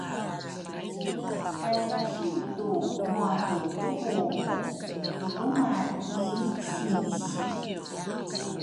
kay lasitu muacucubungu kilrumay ki sinsi.